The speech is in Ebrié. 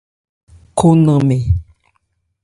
Kho nnanmɛ.